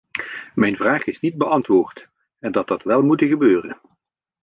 Mijn vraag is niet beantwoord en dat had wel moeten gebeuren.